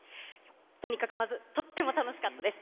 とにかくまず、とっても楽しかったです。